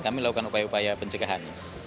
kami lakukan upaya upaya pencegahan